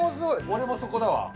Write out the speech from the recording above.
俺もそこだわ。